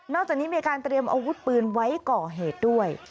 จากนี้มีการเตรียมอาวุธปืนไว้ก่อเหตุด้วย